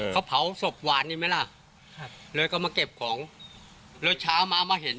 เขาเผาศพหวานนี่ไหมล่ะเลยก็มาเก็บของรถช้ามามาเห็น